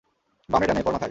বামে, ডানে, এরপর মাথায়।